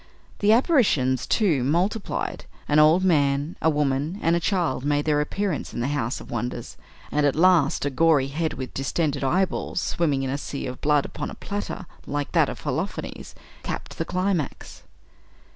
The apparitions, too, multiplied. An old man, a woman, and a child made their appearance in the house of wonders, and, at last, a gory head with distended eyeballs, swimming in a sea of blood, upon a platter like that of Holofernes capped the climax.